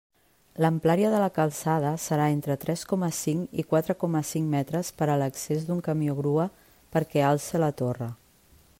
L'amplària de la calçada serà entre tres coma cinc i quatre coma cinc metres per a l'accés d'un camió grua perquè alce la torre.